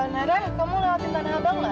nada kamu lewatin tanah abang nggak